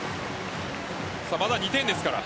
まだ２点ですから。